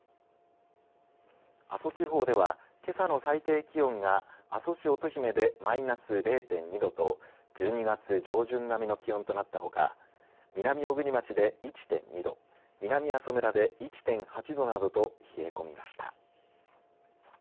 阿蘇地方では、けさの最低気温が阿蘇、乙姫でマイナス０．２度と１２月上旬並みの気温となったほか南小国町で１．２度南阿蘇村で１．８度などと冷え込みました。